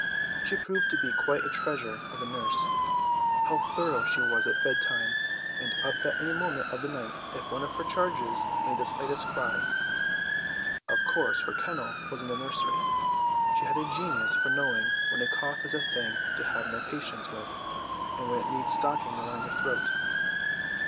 She proved to be quite a treasure of a nurse. How thorough she was at bath time, and up at any moment of the night if one of her charges made the slightest cry. Of course her kennel was in the nursery. She had a genius for knowing when a cough is a thing to have no patience with and when it needs stocking around your throat.